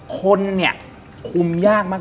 คนคุมยากมาก